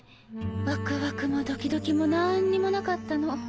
ワクワクもドキドキもなんにもなかったの。